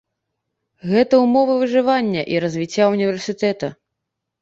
Гэта ўмовы выжывання і развіцця ўніверсітэта.